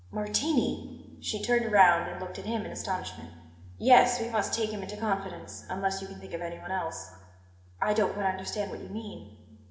"Martini!" She turned round and looked at him in astonishment. "Yes; we must take him into confidence unless you can think of anyone else." "I don't quite understand what you mean."